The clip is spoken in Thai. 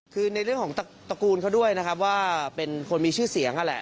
คือในเรื่องของตระกูลเขาด้วยนะครับว่าเป็นคนมีชื่อเสียงนั่นแหละ